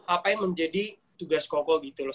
apa yang menjadi tugas koko gitu loh